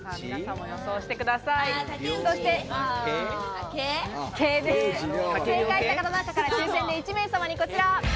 そして、正解した方の中から抽選で１名様にこちら。